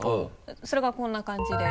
それがこんな感じで。